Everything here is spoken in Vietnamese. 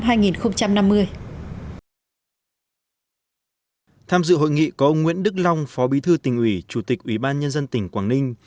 tham dự hội nghị có ông nguyễn đức long phó bí thư tỉnh ủy chủ tịch ủy ban nhân dân tỉnh quảng ninh